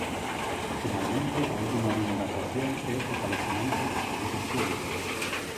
Finalmente, a última liña de actuación é o fortalecemento dos servizos públicos.